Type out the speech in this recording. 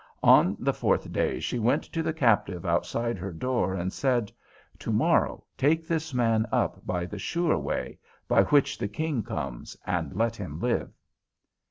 On the fourth day she went to the Captive outside her door and said: "Tomorrow take this man up by the sure way, by which the King comes, and let him live."